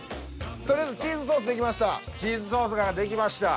とりあえずチーズソースが出来ました。